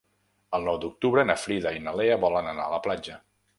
El nou d'octubre na Frida i na Lea volen anar a la platja.